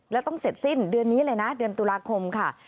แล้วต้องเสร็จสิ้นเดือนนี้เลยนะเดือนตุลาคมค่ะ